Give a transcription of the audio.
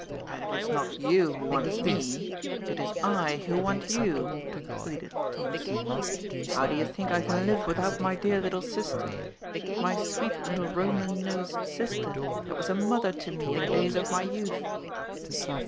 " But if it's not you who want me, it is I who want you," pleaded Thomas. " How do you think I can live without my dear little sister ? My sweet little Roman nosed sister, that was a mother to me in the days of my youth?"